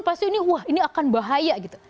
pasti ini wah ini akan bahaya gitu